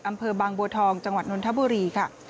อำเภอบางบัวทองจังหวัดนนทบุรีค่ะ